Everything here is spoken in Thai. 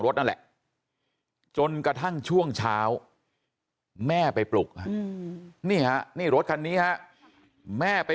นั่นแหละจนกระทั่งช่วงเช้าแม่ไปปลุกนี่ฮะนี่รถคันนี้ฮะแม่ไป